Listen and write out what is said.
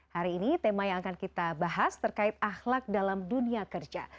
hari ini tema yang akan kita bahas terkait ahlak dalam dunia kerja